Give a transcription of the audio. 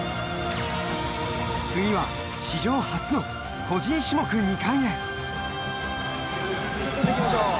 次は史上初の個人種目２冠へ。